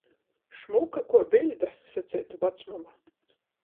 "Šmuka kuo biļde," saceitu vacmama.